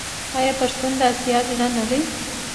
آیا پښتون د اسیا زړه نه دی؟